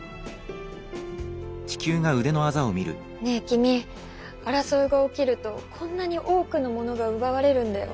ねえ君争いが起きるとこんなに多くのものが奪われるんだよ。